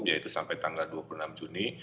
yaitu sampai tanggal dua puluh enam juni